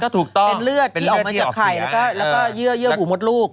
ถูกต้องเป็นเลือดที่ออกมาจากไข่แล้วก็เยื่อปู่มดลูก